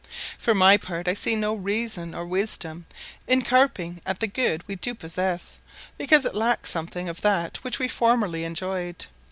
For my part, I see no reason or wisdom in carping at the good we do possess, because it lacks something of that which we formerly enjoyed.